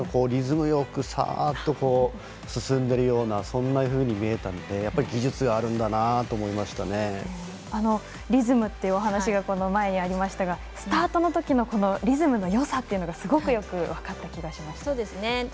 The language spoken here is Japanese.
リズムよくさーっと進んでいるようなそんなふうに見えたので、技術あるんだなとリズムというお話がこの前にありましたがスタートのときのリズムのよさっていうのがすごくよく分かった気がします。